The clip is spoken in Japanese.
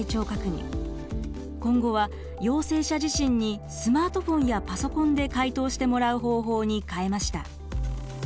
今後は陽性者自身にスマートフォンやパソコンで回答してもらう方法に変えました。